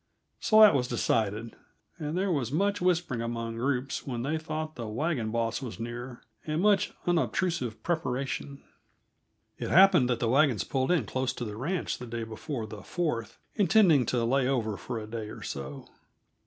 So that was decided, and there was much whispering among groups when they thought the wagon boss was near, and much unobtrusive preparation. It happened that the wagons pulled in close to the ranch the day before the Fourth, intending to lay over for a day or so.